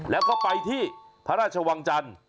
แล้วก็ไปที่พระราชวังจันทร์